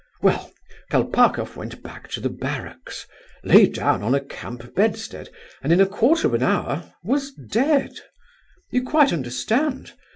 Well, Kolpakoff went back to the barracks, lay down on a camp bedstead, and in a quarter of an hour was dead: you quite understand?